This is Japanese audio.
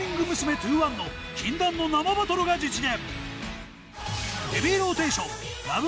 ２１の禁断の生バトルが実現。